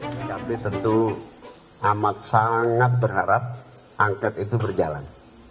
pkb tentu amat sangat berharap angket itu berjalan